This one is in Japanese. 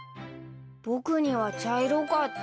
僕には茶色かった。